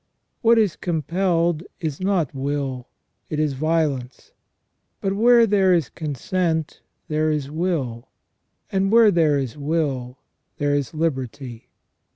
What is compelled is not will, it is violence ; but where there is consent there is will, and where there is will there is liberty.